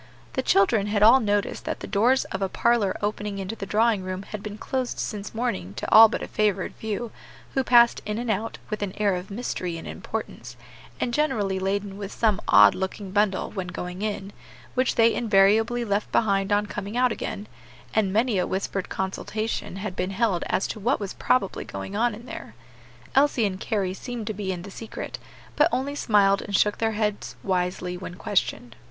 The children had all noticed that the doors of a parlor opening into the drawing room had been closed since morning to all but a favored few, who passed in and out, with an air of mystery and importance, and generally laden with some odd looking bundle when going in, which they invariably left behind on coming out again, and many a whispered consultation had been held as to what was probably going on in there. Elsie and Carry seemed to be in the secret, but only smiled and shook their heads wisely when questioned.